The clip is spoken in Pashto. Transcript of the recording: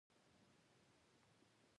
حميد بالښت ته ډډه ولګوله.